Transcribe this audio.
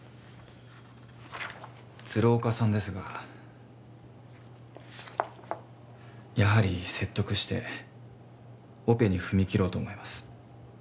鶴岡さんですがやはり説得してオペに踏み切ろうと思います